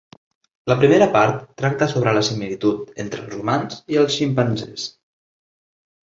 La primera part tracta sobre la similitud entre els humans i els ximpanzés.